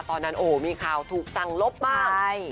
ตอนนั้นโอ้โหมีข่าวถูกสั่งลบบ้าง